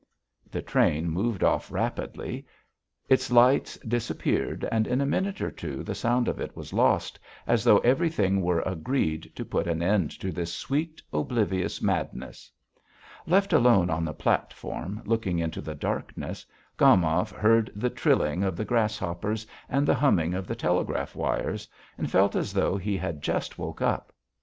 The train moved off rapidly. Its lights disappeared, and in a minute or two the sound of it was lost, as though everything were agreed to put an end to this sweet, oblivious madness. Left alone on the platform, looking into the darkness, Gomov heard the trilling of the grasshoppers and the humming of the telegraph wires, and felt as though he had just woke up.